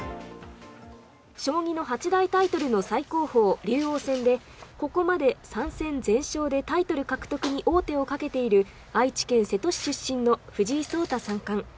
将棋の八大タイトルの最高峰竜王戦で、ここまで３戦全勝でタイトル獲得に王手をかけている愛知県瀬戸市出身の藤井聡太三冠。